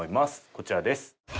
こちらです。